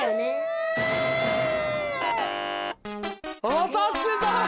あたってた！